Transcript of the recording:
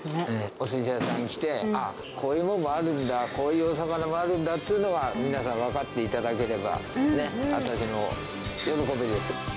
おすし屋さん来て、ああ、こういうものもあるんだ、こういう魚もあるんだっていうのが、皆さん、分かっていただければね、私の喜びです。